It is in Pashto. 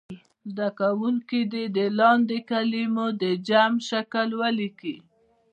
زده کوونکي دې د لاندې کلمو د جمع شکل ولیکي.